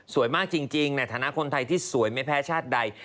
มากจริงในฐานะคนไทยที่สวยไม่แพ้ชาติใด